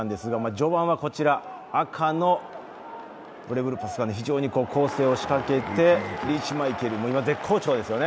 序盤は赤のブレイブルーパスが攻勢を仕掛けてリーチマイケルも今、絶好調ですよね。